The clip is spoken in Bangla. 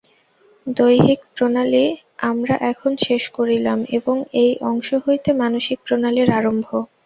দৈহিক প্রণালী আমরা এখন শেষ করিলাম এবং এই অংশ হইতে মানসিক প্রণালীর আরম্ভ।